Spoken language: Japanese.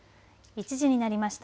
１時になりました。